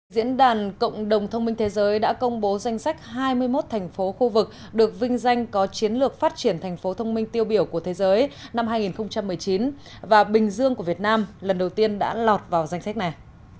diễn đàn cộng đồng thông minh thế giới đã công bố danh sách hai mươi một thành phố khu vực được vinh danh có chiến lược phát triển thành phố thông minh tiêu biểu của thế giới năm hai nghìn một mươi chín và bình dương của việt nam lần đầu tiên đã lọt vào danh sách này